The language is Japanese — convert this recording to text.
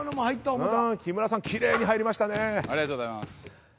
ありがとうございます。